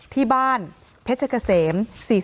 ที่บ้านเพชรเกษม๔๔